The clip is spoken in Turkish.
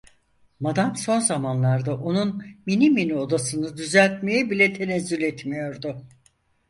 Madam, son zamanlarda onun minimini odasını düzeltmeye bile tenezzül etmiyordu.